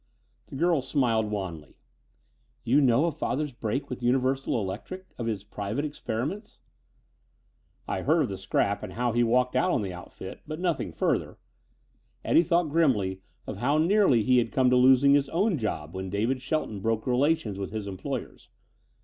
The girl smiled wanly. "You know of father's break with Universal Electric? Of his private experiments?" "I heard of the scrap and of how he walked out on the outfit, but nothing further." Eddie thought grimly of how nearly he had come to losing his own job when David Shelton broke relations with his employers.